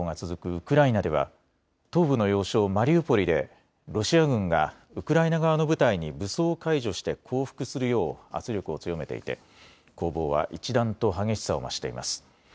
ウクライナでは東部の要衝マリウポリでロシア軍がウクライナ側の部隊に武装解除して降伏するよう圧力を強めていて、攻防は一段と激しさを増しています。